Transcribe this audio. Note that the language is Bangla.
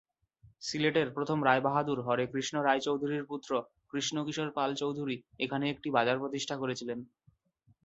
সিলেটের প্রথম রায় বাহাদুর হরেকৃষ্ণ রায় চৌধুরীর পুত্র কৃষ্ণ কিশোর পাল চৌধুরী এখানে একটি বাজার প্রতিষ্ঠা করেছিলেন।